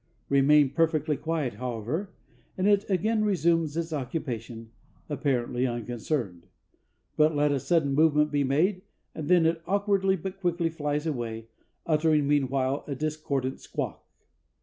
Remain perfectly quiet, however, and it again resumes its occupation, apparently unconcerned; but let a sudden movement be made, and then it awkwardly but quickly flies away, uttering meanwhile a discordant squawk.